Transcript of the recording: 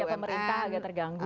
kinerja pemerintah agak terganggu